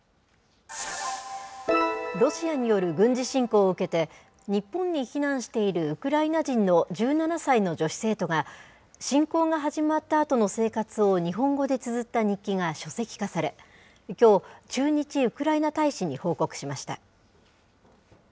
ロシアによる軍事侵攻を受けて、日本に避難しているウクライナ人の１７歳の女子生徒が、侵攻が始まったあとの生活を日本語でつづった日記が書籍化され、きょう、駐日ウクライナ大使に報告しました。